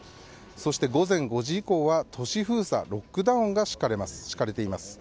そして午前５時以降は都市封鎖ロックダウンが敷かれています。